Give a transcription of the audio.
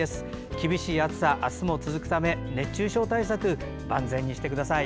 厳しい暑さ、明日も続くため熱中症対策を万全にしてください。